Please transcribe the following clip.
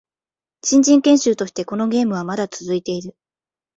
新人研修としてこのゲームはまだ続いている